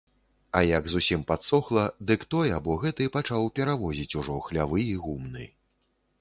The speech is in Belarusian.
А як зусім падсохла, дык той або гэты пачаў перавозіць ужо хлявы і гумны.